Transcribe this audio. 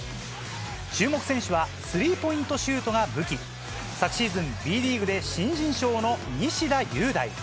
注目選手はスリーポイントシュートが武器昨シーズンＢリーグで新人賞の西田優大。